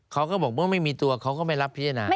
เขาก็บอกเมื่อไม่มีตัวเขาก็ไม่รับพิจารณา